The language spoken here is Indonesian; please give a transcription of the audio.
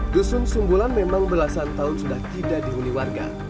dusun sumbulan memang belasan tahun sudah tidak dihuni warga